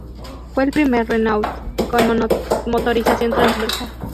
Fue el primer Renault con motorización transversal.